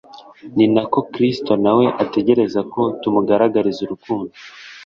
ni ko na Kristo na we ategereza ko tumugaragariza urukundo